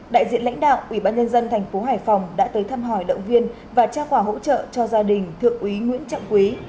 đại diện lãnh đạo ủy ban nhân dân thành phố hải phòng đã tới thăm hỏi động viên và trao quà hỗ trợ cho gia đình thượng úy nguyễn trọng quý